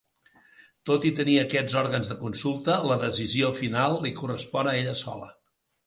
Tot i tenir aquests òrgans de consulta, la decisió final li correspon a ella sola.